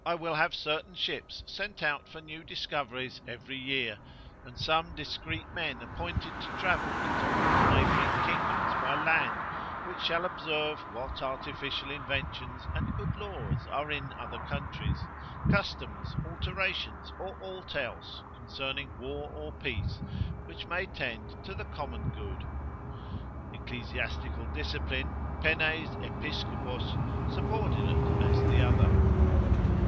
I will have certain ships sent out for new discoveries every year, and some discreet men appointed to travel into all neighbouring kingdoms by land, which shall observe what artificial inventions and good laws are in other countries, customs, alterations, or aught else, concerning war or peace, which may tend to the common good. Ecclesiastical discipline, penes Episcopos, subordinate as the other.